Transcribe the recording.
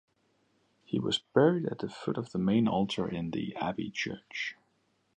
He was buried at the foot of the main altar in the abbey church.